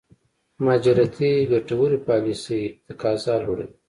مهاجرتي ګټورې پالېسۍ تقاضا لوړوي.